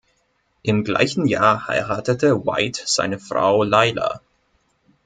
Im gleichen Jahr heiratete White seine Frau Lyla.